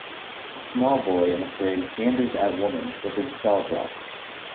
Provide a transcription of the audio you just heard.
A small boy in a parade ganders at women with his jaw dropped